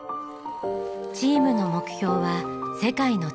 チームの目標は世界の頂点。